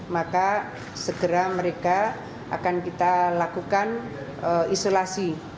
maka segera mereka akan kita lakukan isolasi